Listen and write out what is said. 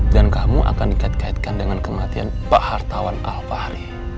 dan kamu akan dikait kaitkan dengan kematian pak hartawan al fahri